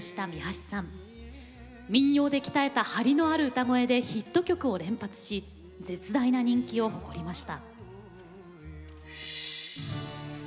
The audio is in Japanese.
民謡で鍛えたハリのある歌声でヒット曲を連発し絶大な人気を誇りました。